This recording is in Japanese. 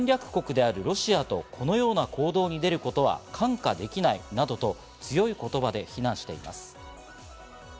岸防衛大臣は中国が侵略国であるロシアとこのような行動に出ることは看過できないなどと強い言葉で非難しています。